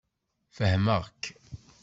Fehmeɣ-k.